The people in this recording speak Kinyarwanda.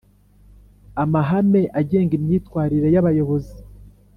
amahame agenga imyitwarire y Abayobozi